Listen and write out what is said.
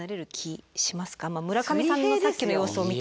村上さんのさっきの様子を見て。